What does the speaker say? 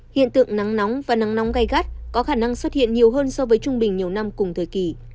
hiện tượng nắng nóng và nắng nóng gai gắt có khả năng xuất hiện nhiều hơn so với trung bình nhiều năm cùng thời kỳ